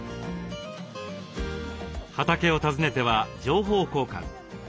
畑を訪ねては情報交換。